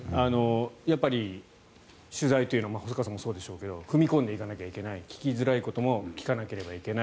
やっぱり取材というのは細川さんもそうでしょうけど踏み込んでいかないといけない聞きづらいことも聞かなければいけない。